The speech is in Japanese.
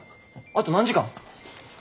あと何時間？